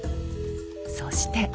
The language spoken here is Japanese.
そして。